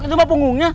dia udah punggungnya